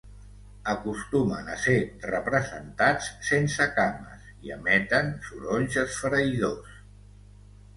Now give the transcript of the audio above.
Acostumen a ser representats sense cames i emetent sorolls esfereïdors.